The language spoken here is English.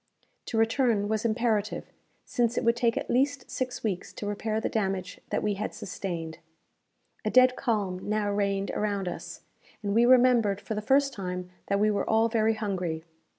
To return was imperative, since it would take at least six weeks to repair the damage that we had sustained. A dead calm now reigned around us, and we remembered for the first time that we were all very hungry.